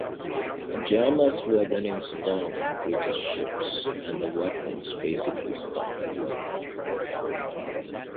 Jammers were then installed on British ships, and the weapons basically "stopped working".